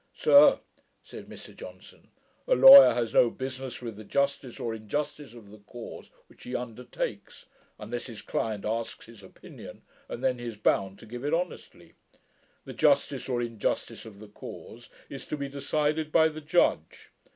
'Sir,' said Mr Johnson, 'a lawyer has no business with the justice or injustice of the cause which he undertakes, unless his client asks his opinion, and then he is bound to give it honestly. The justice or injustice of the cause is to be decided by the judge.